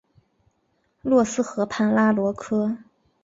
洛斯河畔拉罗科。